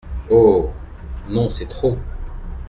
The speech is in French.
Oh ! non, c’est trop !…